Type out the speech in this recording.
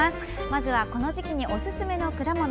まずはこの時期におすすめの果物。